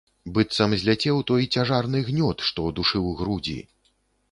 Быццам зляцеў той цяжарны гнёт, што душыў грудзі.